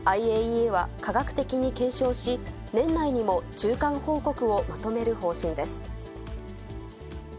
ＩＡＥＡは、科学的に検証し、年内にも中間報告をまとめる方針です。